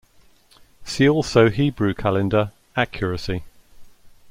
See also Hebrew calendar: Accuracy.